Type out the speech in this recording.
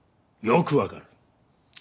よく分かる。